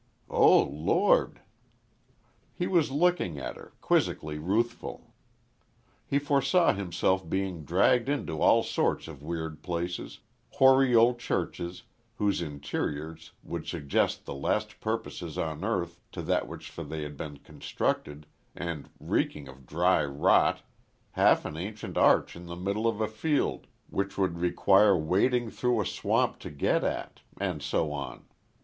"Oh Lord?" He was looking at her, quizzically ruthful. He foresaw himself being dragged into all sorts of weird places; hoary old churches, whose interiors would suggest the last purpose on earth to that for which they had been constructed, and reeking of dry rot half an ancient arch in the middle of a field which would require wading through a swamp to get at and so on.